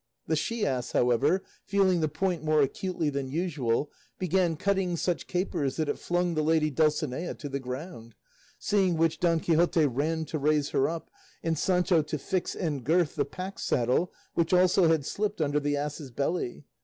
The she ass, however, feeling the point more acutely than usual, began cutting such capers, that it flung the lady Dulcinea to the ground; seeing which, Don Quixote ran to raise her up, and Sancho to fix and girth the pack saddle, which also had slipped under the ass's belly.